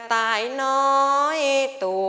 สวัสดีครับ